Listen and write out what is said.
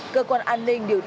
cơ quan an ninh đều đồng ý